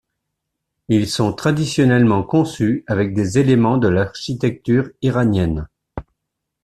Ils sont traditionnellement conçus avec des éléments de l'architecture iranienne.